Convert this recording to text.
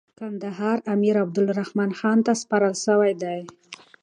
کندهار امیر عبدالرحمن خان ته سپارل سوی دی.